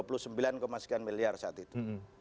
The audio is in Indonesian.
rp dua puluh sembilan sekian miliar saat itu